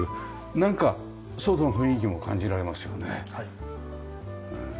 なんか外の雰囲気も感じられますよね。